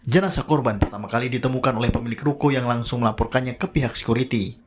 jenasa korban pertama kali ditemukan oleh pemilik ruko yang langsung melaporkannya ke pihak security